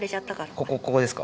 ここここですか？